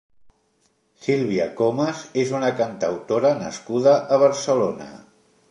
Sílvia Comes és una cantautora nascuda a Barcelona.